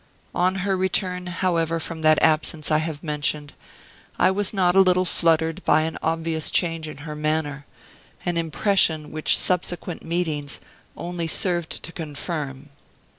"On her return, however, from that absence I have mentioned, I was not a little fluttered by an obvious change in her manner; an impression which subsequent meetings only served to confirm.